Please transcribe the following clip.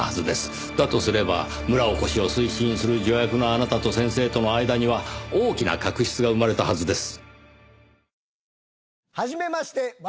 だとすれば村おこしを推進する助役のあなたと先生との間には大きな確執が生まれたはずです。